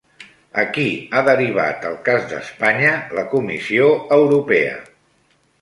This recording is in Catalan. A qui ha derivat el cas d'Espanya la Comissió Europea?